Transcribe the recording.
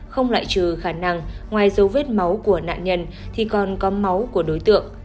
không loại trừ khả năng ngoài dấu vết máu của nạn nhân thì còn có máu của đối tượng